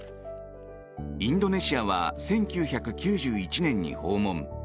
インドネシアは１９９１年に訪問。